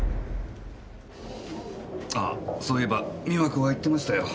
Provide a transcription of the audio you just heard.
あそういえば美和子が言ってましたよ。